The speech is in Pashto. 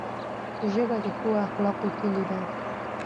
ژبه د ښو اخلاقو کلۍ ده